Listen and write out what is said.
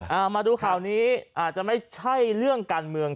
เอามาดูข่าวนี้อาจจะไม่ใช่เรื่องการเมือง